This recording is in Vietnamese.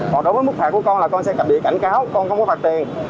còn đối với mức phạt của con là con sẽ bị cảnh cáo con không có phạt tiền